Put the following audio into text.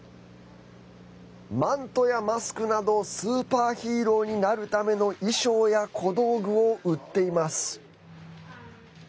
マントやマスクなどスーパーヒーローになるための衣装や小道具を売っています。